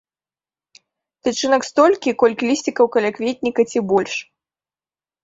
Тычынак столькі, колькі лісцікаў калякветніка ці больш.